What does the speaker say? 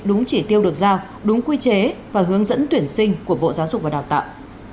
đúng chỉ tiêu được giao đúng quy chế và hướng dẫn tuyển sinh của bộ giáo dục và đào tạo